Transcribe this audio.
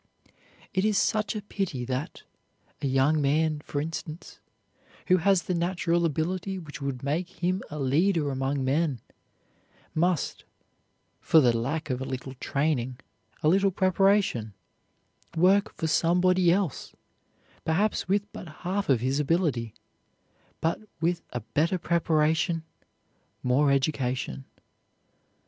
It is such a pity that, a young man, for instance, who has the natural ability which would make him a leader among men, must, for the lack of a little training, a little preparation, work for somebody else, perhaps with but half of his ability but with a better preparation, more education.